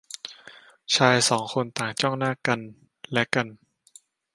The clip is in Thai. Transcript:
ชายสองคนต่างจ้องหน้าซึ่งกันและกัน